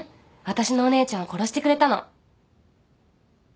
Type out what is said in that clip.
私のお姉ちゃんを殺してくれたの。